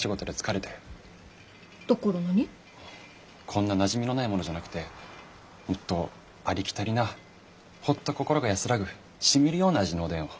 こんななじみのないものじゃなくてもっとありきたりなホッと心が安らぐしみるような味のおでんを。